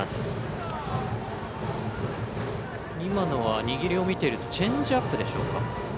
今のは握りを見ているとチェンジアップでしょうか。